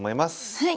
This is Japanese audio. はい。